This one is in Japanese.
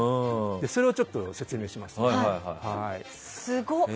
それを説明しますね。